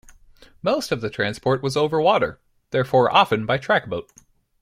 Most of the transport was over water, therefore often by track boat.